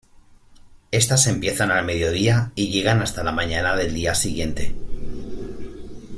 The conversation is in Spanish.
Estas empiezan al mediodía y llegan hasta la mañana del día siguiente.